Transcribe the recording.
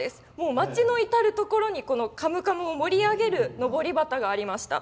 町の至るところに「カムカム」を盛り上げるのぼり旗がありました。